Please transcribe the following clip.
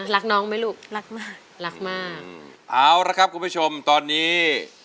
รักน้องไหมลูกรักมากรักมากเอาละครับคุณผู้ชมตอนนี้